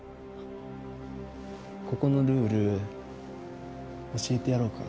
ここのルール教えてやろうか？